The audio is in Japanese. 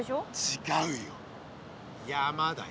ちがうよ山だよ。